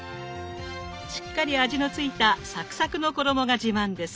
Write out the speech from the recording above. しっかり味のついたサクサクの衣が自慢です。